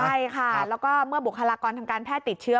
ใช่ค่ะแล้วก็เมื่อบุคลากรทางการแพทย์ติดเชื้อ